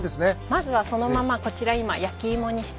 まずはそのままこちら今焼き芋にした。